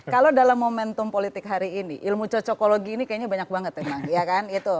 kalau dalam momentum politik hari ini ilmu cocokologi ini kayaknya banyak banget emang ya kan itu